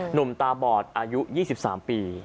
หนุ่มตาบอดอายุ๒๓ปี